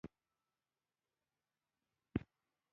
هغوی د تولید غوره لار باید انتخاب کړي